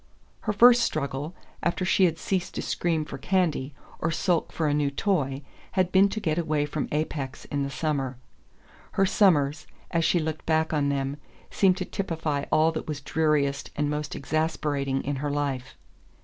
Her first struggle after she had ceased to scream for candy, or sulk for a new toy had been to get away from Apex in summer. Her summers, as she looked back on them, seemed to typify all that was dreariest and most exasperating in her life.